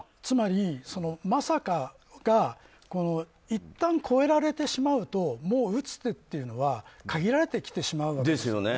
つまり、そのまさかがいったん超えられてしまうともう打つ手というのは限られてきてしまうわけです。